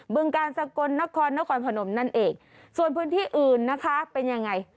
ึงกาลสกลนครนครพนมนั่นเองส่วนพื้นที่อื่นนะคะเป็นยังไง